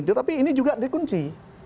tetapi ini juga dikunci